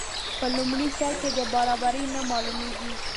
په لومړي سر کې دا برابري نه معلومیږي.